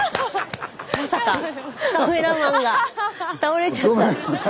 まさかカメラマンが倒れちゃった！